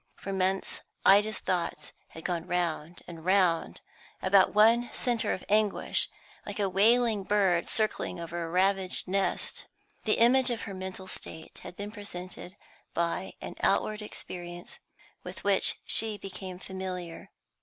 For months Ida's thoughts had gone round and round about one centre of anguish, like a wailing bird circling over a ravaged nest. The image of her mental state had been presented by an outward experience with which she became familiar.